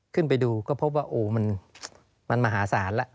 ขึ้นไปดูก็พบว่าโอ้มันมหาศาลแล้ว